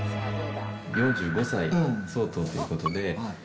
４５歳相当ということで。